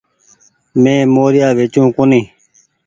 مين موريآ ويچو ڪونيٚ ۔